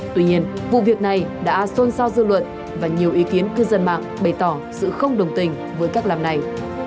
tuy nhiên vụ việc này đã xôn xao dư luận và nhiều ý kiến cư dân mạng bày tỏ sự không đồng tình với cách làm này